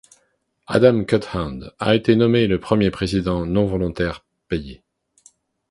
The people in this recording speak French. Adam Cuthand a été nommé le premier président non-volontaires payés.